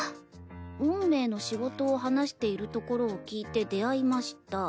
「運命の仕事を話しているところを聴いて出会いました。